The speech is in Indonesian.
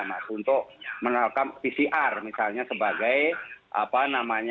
jadi produk kebijakannya itu memang satu ini adalah produk kebijakannya